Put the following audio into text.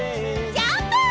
ジャンプ！